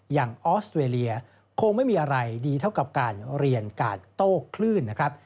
ออสเตรเลียคงไม่มีอะไรดีเท่ากับการเรียนการโต้คลื่นนะครับ